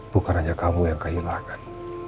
bukan hanya kamu yang kehilangan